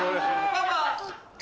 パパ！